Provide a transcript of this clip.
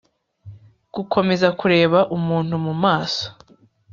Gukomeza kureba umuntu mu maso